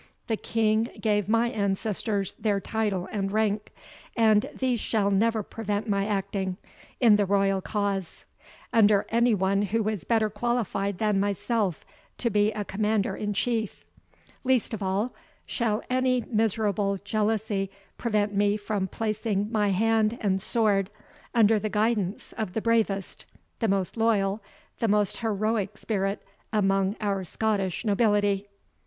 The King gave my ancestors their title and rank; and these shall never prevent my acting, in the royal cause, under any one who is better qualified than myself to be a commander in chief. Least of all, shall any miserable jealousy prevent me from placing my hand and sword under the guidance of the bravest, the most loyal, the most heroic spirit among our Scottish nobility."